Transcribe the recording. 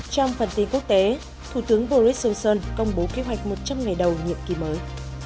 trong phần tin quốc tế thủ tướng boris johnson công bố kế hoạch một trăm linh ngày đầu nhiệm kỳ mới